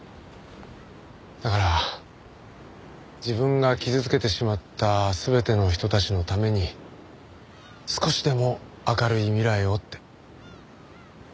だから自分が傷つけてしまった全ての人たちのために少しでも明るい未来をって。